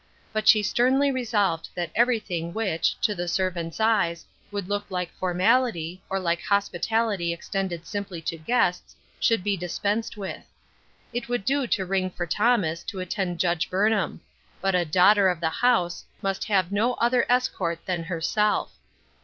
But she sternly resolved that every thing which, to the servant's eyes, would look like formality, or like hospitality extended sim ply to guests, should be dispensed with. It would do to ring for Thomas, to attend Judge Burnham ; but a daughter of the house roust Her Cross Seems Heavy, 13 have no other escort than herself.